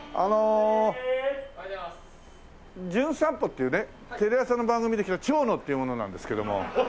あの『じゅん散歩』っていうねテレ朝の番組で来た長野っていう者なんですけども。